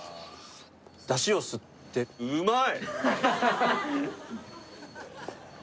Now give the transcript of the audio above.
出汁を吸ってうまい！